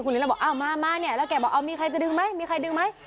คุณลิน่าบอกมาแล้วแกบอกมีใครจะดึงไหมมีใครดึงไหม